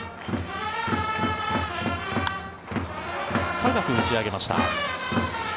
高く打ち上げました。